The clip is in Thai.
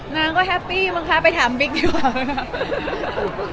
นางก็แฮปปี้มั้งคะไปถามบิ๊กดีกว่าค่ะ